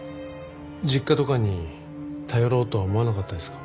実家とかに頼ろうとは思わなかったんですか？